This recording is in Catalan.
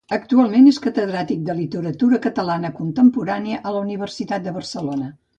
Actualment és catedràtic de literatura catalana contemporània a la Universitat de Barcelona.